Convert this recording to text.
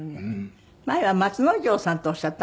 前は松之丞さんっておっしゃった？